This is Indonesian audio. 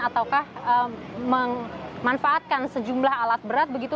ataukah memanfaatkan sejumlah alat berat begitu